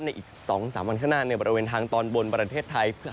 อีก๒๓วันข้างหน้าในบริเวณทางตอนบนประเทศไทย